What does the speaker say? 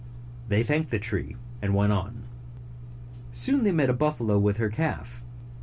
They thanked the tree, and went on. Soon they met a buffalo with her calf.